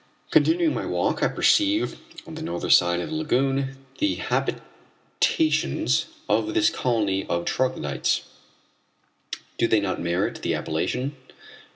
Continuing my walk I perceive on the northern side of the lagoon the habitations of this colony of troglodytes do they not merit the appellation?